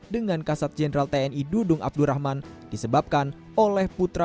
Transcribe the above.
dengan kasat jenderal tni dudung abdurrahman disebabkan oleh putra